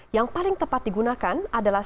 yang paling tepat digunakan adalah